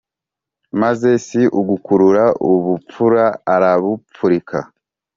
maze si ugukurura ubupfura arabupfurika.